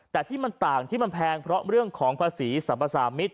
แต่ที่มันต่างที่มันแพงเพราะเรื่องของภาษีสรรพสามิตร